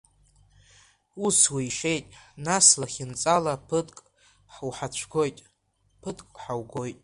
Ус уишеит, нас, лахьынҵала, ԥыҭк уҳаҵгәоит, ԥыҭк ҳаугоит.